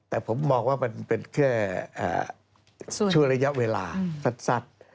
แต่ผมมองว่ามันเป็นแค่ช่วงระยะเวลาสั้น